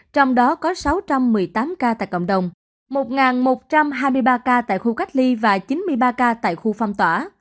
trong đó có sáu trăm một mươi tám ca tại cộng đồng một một trăm hai mươi ba ca tại khu cách ly và chín mươi ba ca tại khu phong tỏa